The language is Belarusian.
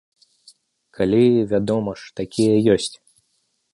Калі, вядома ж, такія ёсць.